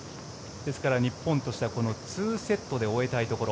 ですから日本としては２セットで終えたいところ。